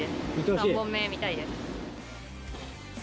３本目見たいです。